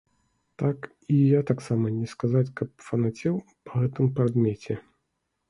Так, і я таксама не сказаць, каб фанацеў па гэтым прадмеце.